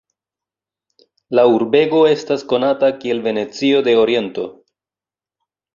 La urbego estas konata kiel Venecio de Oriento.